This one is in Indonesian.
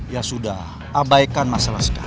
ya sudah abaikan masalah sekarang